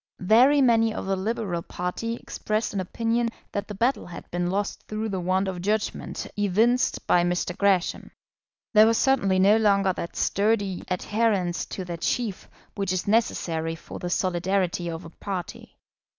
Very many of the Liberal party expressed an opinion that the battle had been lost through the want of judgment evinced by Mr. Gresham. There was certainly no longer that sturdy adherence to their chief which is necessary for the solidarity of a party.